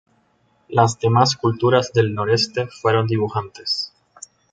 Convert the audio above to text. Las demás culturas del noroeste fueron dibujantes.